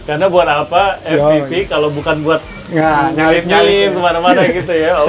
karena buat apa fpp kalau bukan buat nyali nyali kemana mana gitu ya